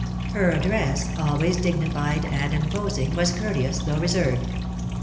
Her address, always dignified and imposing, was courteous, though reserved.